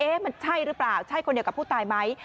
มันใช่หรือเปล่าใช่คนเดียวกับผู้ตายไหม